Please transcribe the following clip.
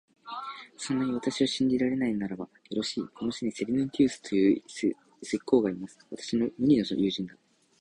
そんなに私を信じられないならば、よろしい、この市にセリヌンティウスという石工がいます。私の無二の友人だ。